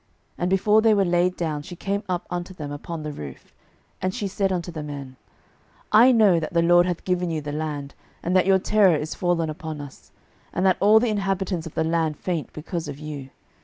06:002:008 And before they were laid down, she came up unto them upon the roof; 06:002:009 And she said unto the men, I know that the LORD hath given you the land, and that your terror is fallen upon us, and that all the inhabitants of the land faint because of you.